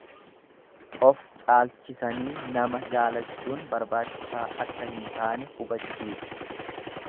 Of caalchisanii nama jaalachuun barbaachisaa akka hin taane hubachiisa.